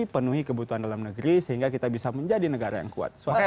penuhi kebutuhan dalam negeri sehingga kita bisa menjadi negara yang kuat